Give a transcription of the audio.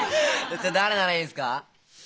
じゃ誰ならいいんですか？